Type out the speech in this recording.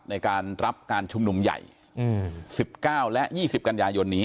ในการรับการชุมนุมใหญ่๑๙และ๒๐กันยายนนี้